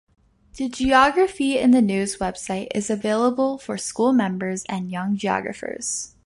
The Geography in the News website is available for Schools Members and Young Geographers.